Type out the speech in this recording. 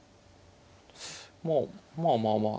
まあまあまあまあ